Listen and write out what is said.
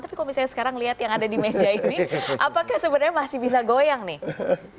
tapi kalau misalnya sekarang lihat yang ada di meja ini apakah sebenarnya masih bisa goyang nih